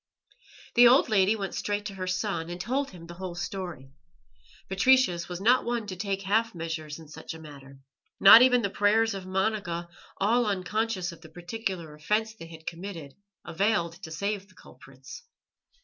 The old lady went straight to her son, and told him the whole story. Patricius was not one to take half measures in such a matter. Not even the prayers of Monica, all unconscious of the particular offence they had committed, availed to save the culprits.